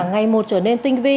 ngày một trở nên tinh vi